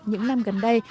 những năm gần đây